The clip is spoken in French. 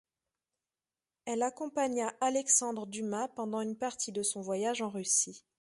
Elle accompagna Alexandre Dumas pendant une partie de son voyage en Russie.